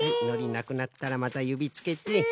のりなくなったらまたゆびつけて。